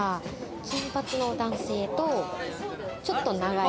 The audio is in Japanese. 金髪の男性とちょっと長い